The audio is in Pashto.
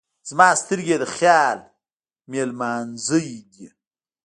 زما سترګې یې د خیال مېلمانځی دی.